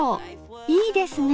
いいですね。